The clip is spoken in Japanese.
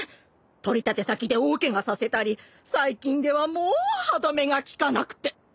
取り立て先で大ケガさせたり最近ではもう歯止めがきかなくて。